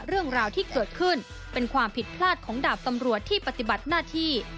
เรื่องราวที่เกิดขึ้นเป็นความผิดพลาดของดาบตำรวจที่ปฏิบัติหน้าที่